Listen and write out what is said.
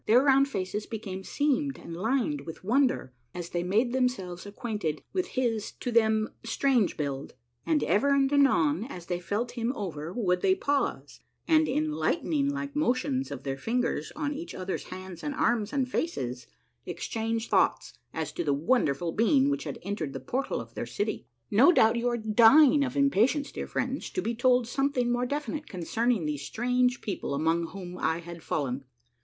Their round faces became seamed and lined Avith o wonder as they made themselves ac(iuainted Avith his, to them. 94 A MARVELLOUS UNDERGROUND JOURNEY strange build, and ever and anon as they felt him over would they pause and in lightning like motions of their fingers on each other's hands and arms and faces exchange thoughts as to the wonderful being which had entered the portal of their city. No doubt you are dying of impatience, dear friends, to be told something more definite concerning these strange people among whom I had fallen.